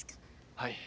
はい。